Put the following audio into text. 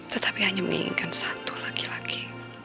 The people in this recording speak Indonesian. tetapi hanya menginginkan satu laki laki